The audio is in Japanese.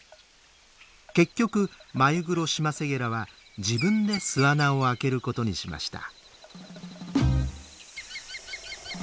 結局マユグロシマセゲラは自分で巣穴を開けることにしました。